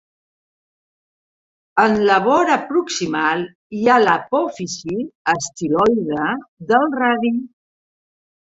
En la vora proximal hi ha l'apòfisi estiloide del radi.